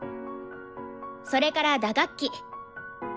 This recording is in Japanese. それから打楽器。